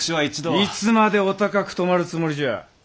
いつまでお高くとまるつもりじゃ！